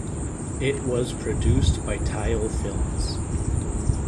It was produced by Tile Films.